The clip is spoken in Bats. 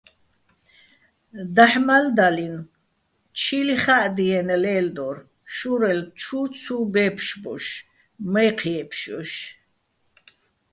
დაჰ̦ მალდალინო̆ ჩილიხა́ჸდიენო̆ ლელდორ, შურელო̆ ჩუ ცუ ბე́ფშბოშ, მაჲჴი̆ ჲე́ფშჲოშ.